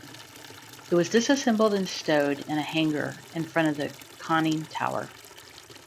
It was disassembled and stowed in a hangar in front of the conning tower.